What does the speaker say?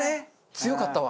強かったわ。